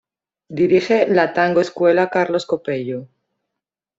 Dirige la Tango Escuela Carlos Copello.